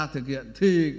thực hiện thì